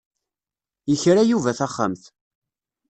Yekra Yuba taxxamt.